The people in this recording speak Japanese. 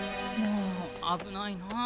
もうあぶないな。